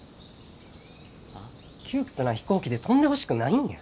窮屈な飛行機で飛んでほしくないんや。